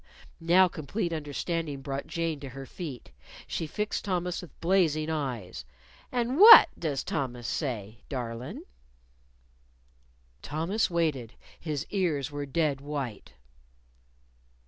Now complete understanding brought Jane to her feet. She fixed Thomas with blazing eyes. "And what does Thomas say, darlin'?" Thomas waited. His ears were a dead white.